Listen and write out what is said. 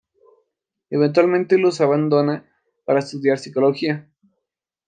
Eventualmente los abandona para estudiar Psicología.